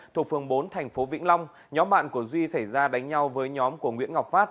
thuộc phường bốn thành phố vĩnh long nhóm bạn của duy xảy ra đánh nhau với nhóm của nguyễn ngọc phát